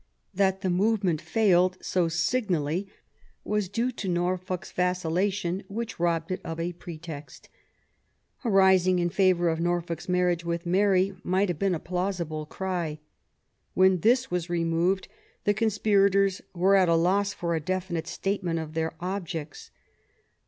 That the movement failed so signally was due to Norfolk's vacillation, which robbed it of a pretext. A rising in favour of Norfolk's marriage with Mary might have been a plausible cry. When this was removed, the conspirators were at a loss for a definite statement of their objects.